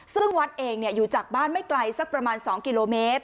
ซึ่งวัดเองอยู่จากบ้านไม่ไกลสักประมาณ๒กิโลเมตร